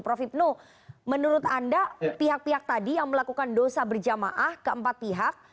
prof ibnu menurut anda pihak pihak tadi yang melakukan dosa berjamaah keempat pihak